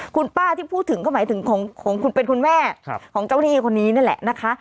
คุณป้าที่พูดถึงก็หมายถึงของคุณเป็นคุณแม่ของเจ้าหนี้คนนี้นั่นแหละนะคะ